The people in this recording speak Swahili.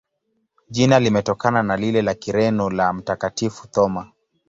Jina limetokana na lile la Kireno la Mtakatifu Thoma.